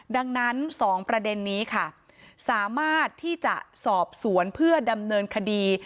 ดังนั้น๒ประเด็นนี้ค่ะสามารถที่จะสอบสวนเพื่อดำเนินคดี